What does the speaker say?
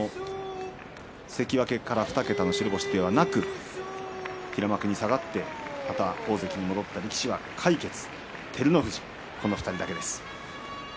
過去一度関脇から２桁の白星なく平幕に下がって、また大関に戻った力士は魁傑と照ノ富士の２人だけです。